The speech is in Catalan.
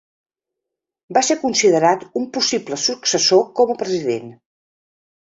Va ser considerat un possible successor com a president.